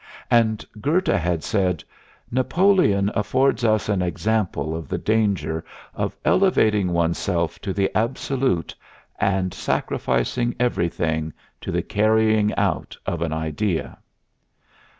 And Goethe had said: "Napoleon affords us an example of the danger of elevating oneself to the Absolute and sacrificing everything to the carrying out of an idea."